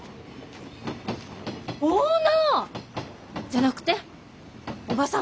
オーナー！じゃなくておばさん。